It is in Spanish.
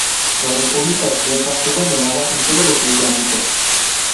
La república austriaca fue condenada en todos los siete ámbitos.